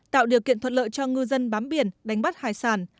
tạo điều kiện thuận lợi cho ngư dân bám biển đánh bắt hải sản